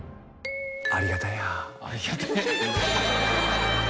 ありがたや。